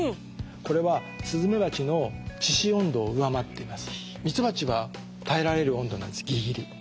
これはスズメバチの致死温度を上回っています。